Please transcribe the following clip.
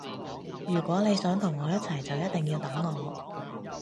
如果你想同我一齊就一定要等我